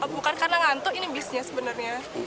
bukan karena ngantuk ini bisnya sebenarnya